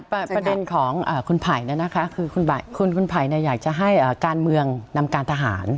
ประเด็นของคุณไผ่คือคุณไผ่อยากจะให้การเมืองนำการทหาร